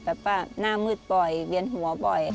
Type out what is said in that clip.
แต่ป้าหน้ามืดบ่อยเวียนหัวบ่อย